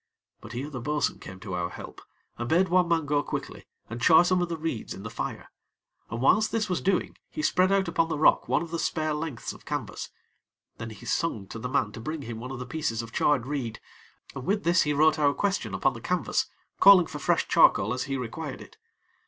But here the bo'sun came to our help, and bade one man go quickly and char some of the reeds in the fire, and whilst this was doing he spread out upon the rock one of the spare lengths of canvas; then he sung out to the man to bring him one of the pieces of charred reed, and with this he wrote our question upon the canvas, calling for fresh charcoal as he required it.